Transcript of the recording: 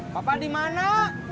bapak di mana